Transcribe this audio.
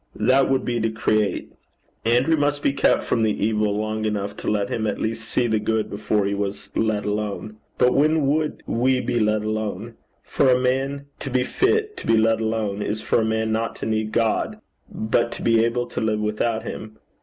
That would be to create. Andrew must be kept from the evil long enough to let him at least see the good, before he was let alone. But when would we be let alone? For a man to be fit to be let alone, is for a man not to need God, but to be able to live without him.